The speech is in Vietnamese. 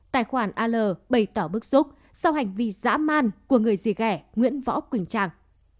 tài khoản al bày tỏ bức xúc sau hành vi giã man của người gì ghẻ nguyễn võ quỳnh trang